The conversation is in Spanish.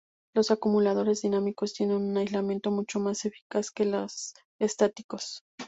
Los acumuladores dinámicos tiene un aislamiento mucho más eficaz que los estáticos.